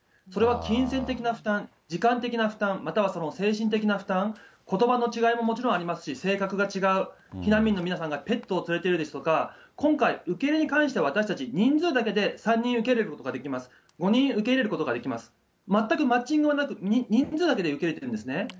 これは金銭的な負担、時間的な負担、または精神的な負担、ことばの違いももちろんありますし、正確が違う、避難民の皆さんがペットを連れてるですとか、今回、受け入れに関しては、私たち、人数だけで３人受け入れことができます、５人受け入れることができます、全くマッチングがなく、人数だけで受け入れているんですね。